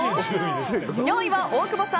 ４位は、大久保さん。